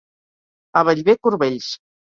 A Bellver, corbells.